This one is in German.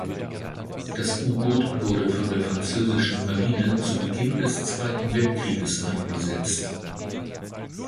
Das U-Boot wurde von der französischen Marine zu Beginn des Zweiten Weltkrieges eingesetzt.